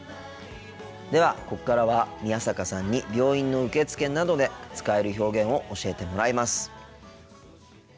ではここからは宮坂さんに病院の受付などで使える表現を教えてもらいます。